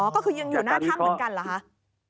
อ๋อก็คือยังอยู่หน้าทั้งเหมือนกันหรอ